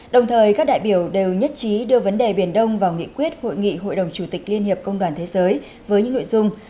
đồng thời các đại biểu đều nhất trí đưa vấn đề biển đông vào nghị quyết hội nghị hội đồng chủ tịch liên hiệp công đoàn thế giới với những nội dung